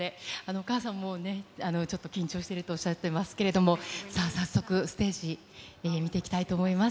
お母さんもね、ちょっと緊張してるとおっしゃっていますけれども、さあ、早速ステージ、見ていきたいと思います。